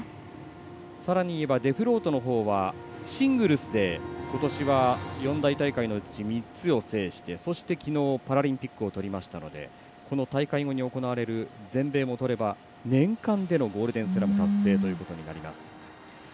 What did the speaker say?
さらにいえばデフロートのほうはシングルスで、ことしは四大大会のうち３つを制してそしてきのうパラリンピックを取りましたのでこの大会後に行われる全米もとれば年間でのゴールデンスラム達成ということになります。